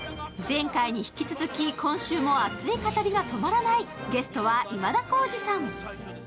前回に引き続き今週も熱い語りが止まらない、ゲストは今田耕司さん。